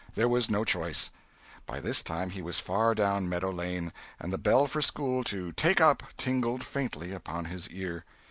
There was no choice. By this time he was far down Meadow Lane, and the bell for school to "take up" tinkled faintly upon his ear.